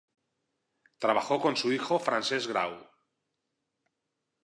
Trabajó con su hijo Francesc Grau.